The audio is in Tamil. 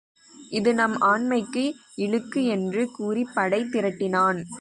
இது நம் ஆண்மைக்கு இழுக்கு என்று கூறிப் படை திரட்டினான்.